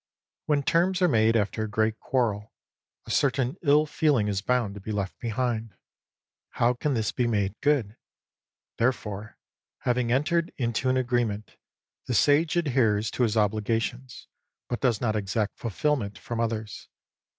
When terms are made after a great quarrel, a certain ill feeling is bound to be left behind. How 28 can this be made good ? Therefore, having entered into an agreement, the Sage adheres to his obliga tions,* but does not exact fulfilment from others.